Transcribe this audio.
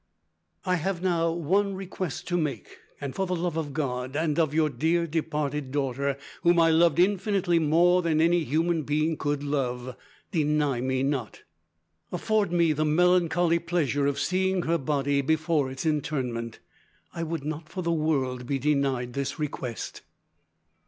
"I have now one request to make, and for the love of God, and of your dear departed daughter, whom I loved infinitely more than any human being could love, deny me not. Afford me the melancholy pleasure of seeing her body before its interment. I would not, for the world, be denied this request.